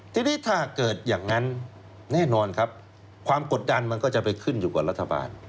ทีนี้ถ้าเกิดอย่างนั้นแน่นอนครับความกดดันมันก็จะไปขึ้นอยู่กับรัฐบาล